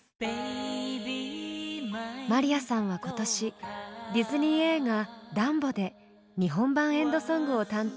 まりやさんは今年ディズニー映画「ダンボ」で日本版エンドソングを担当。